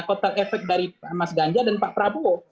total efek dari mas ganjar dan pak prabowo